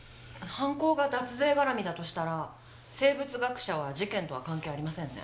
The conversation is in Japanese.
犯行が脱税絡みだとしたら生物学者は事件とは関係ありませんね。